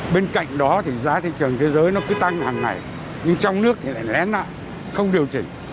bên cạnh đó thì giá thị trường thế giới nó cứ tăng hàng ngày nhưng trong nước thì lại lén lại không điều chỉnh